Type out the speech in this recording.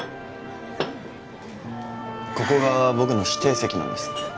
ここが僕の指定席なんです